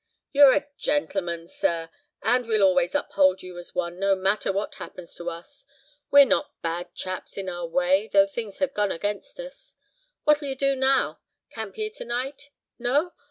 "You're a gentleman, sir, and we'll always uphold you as one, no matter what happens to us. We're not bad chaps in our way, though things has gone against us. What'll you do now? Camp here to night? No?